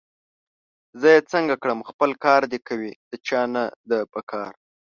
زه یې څنګه کړم! خپل کار دي کوي، د چا نه ده پکار